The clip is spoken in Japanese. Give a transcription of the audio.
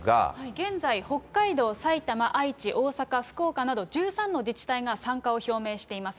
現在、北海道、埼玉、愛知、大阪、福岡など１３の自治体が参加を表明しています。